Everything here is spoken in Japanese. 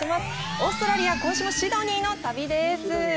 オーストラリア、今週はシドニーの旅です。